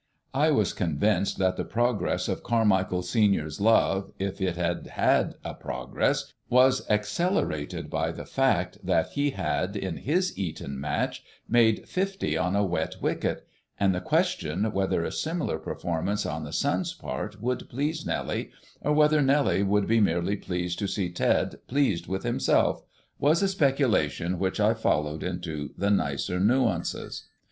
I was convinced that the progress of Carmichael senior's love, if it had had a progress, was accelerated by the fact that he had, in his Eton match, made fifty on a wet wicket; and the question whether a similar performance on the son's part would please Nellie, or whether Nellie would be merely pleased to see Ted pleased with himself, was a speculation which I followed into the nicer nuances.